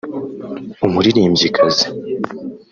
umuririmbyikazi